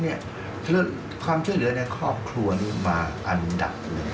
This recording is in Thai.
และชื่อเหลือในครอบครัวมาอันดับ